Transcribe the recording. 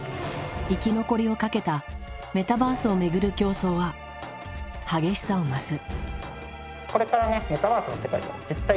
生き残りをかけたメタバースをめぐる競争は激しさを増す。